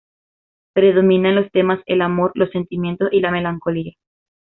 Predomina en los temas el amor, los sentimientos y la melancolía.